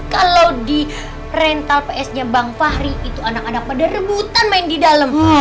kalau di rental ps nya bang fahri itu anak anak pada rebutan main di dalam